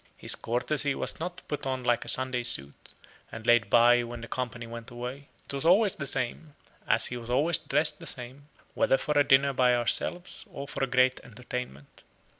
His courtesy was not put on like a Sunday suit, and laid by when the company went away; it was always the same; as he was always dressed the same, whether for a dinner by ourselves or for a great entertainment.